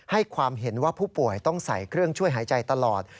ความเห็นว่าผู้ป่วยต้องใส่เครื่องช่วยหายใจตลอด